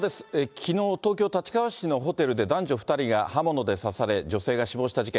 きのう東京・立川市のホテルで男女２人が刃物で刺され、女性が死亡した事件。